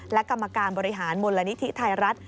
และกรรมการบริหารมูลนิธิไทยรัฐ